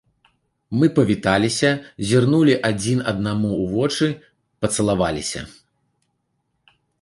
Мы павіталіся, зірнулі адзін аднаму ў вочы, пацалаваліся.